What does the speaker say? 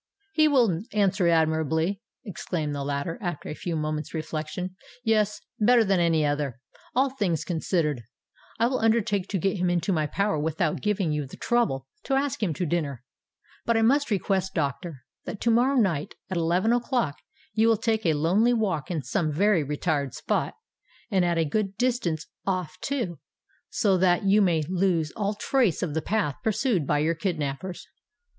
"He will answer admirably!" exclaimed the latter, after a few moments' reflection. "Yes—better than any other, all things considered! I will undertake to get him into my power without giving you the trouble to ask him to dinner. But I must request, doctor, that to morrow night at eleven o'clock you will take a lonely walk in some very retired spot, and at a good distance off too, so that you may lose all trace of the path pursued by your kidnappers."